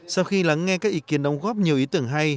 sau khi lắng nghe các ý kiến đóng góp nhiều ý tưởng hay